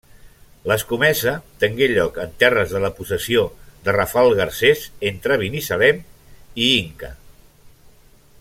L'escomesa tengué lloc en terres de la possessió de Rafal Garcés, entre Binissalem i Inca.